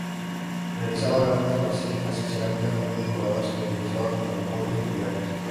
Realizaban grandes vasijas cerámicas muy decoradas que utilizaban como urnas funerarias.